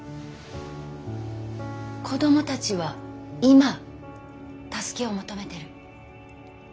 子供たちは今助けを求めてる。